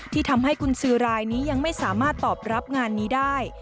ที่ทำให้กุญสือรายนี้ยังไม่สามารถตอบรับงานนี้ได้